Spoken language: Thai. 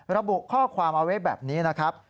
ระบุข้อความเอาไว้แบบนี้นะครับ